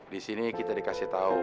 disini kita dikasih tau